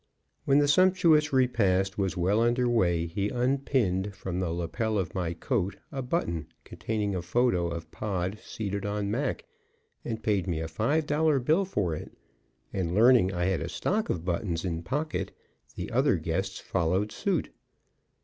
When the sumptuous repast was well under way he unpinned from the lapel of my coat a button containing a photo of Pod seated on Mac, and paid me a five dollar bill for it; and, learning I had a stock of buttons in pocket, the other guests followed suit.